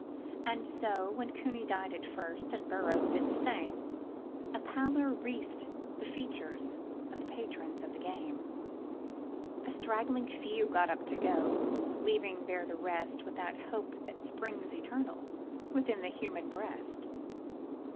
And so, when Cooney died at first, and Burrows did the same, A pallor wreathed the features of the patrons of the game. A straggling few got up to go, leaving there the rest, With that hope which springs eternal within the human breast.